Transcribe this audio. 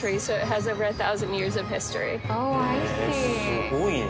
すごいね。